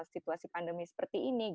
situasi pandemi seperti ini